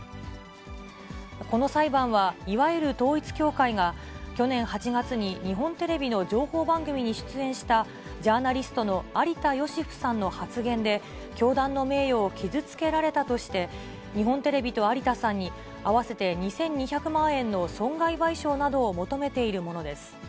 この裁判は、いわゆる統一教会が、去年８月に日本テレビの情報番組に出演したジャーナリストの有田芳生さんの発言で、教団の名誉を傷つけられたとして、日本テレビと有田さんに合わせて２２００万円の損害賠償などを求めているものです。